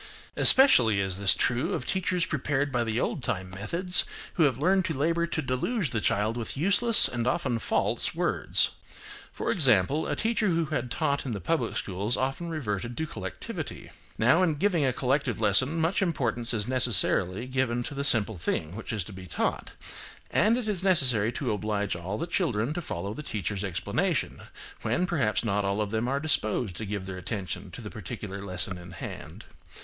Especially is this true of teachers prepared by the old time methods, who have learned to labour to deluge the child with useless, and often, false words. For example, a teacher who had taught in the public schools often reverted to collectivity. Now in giving a collective lesson much importance is necessarily given to the simple thing which is to be taught, and it is necessary to oblige all the children to follow the teacher's explanation, when perhaps not all of them are disposed to give their attention to the particular lesson in hand.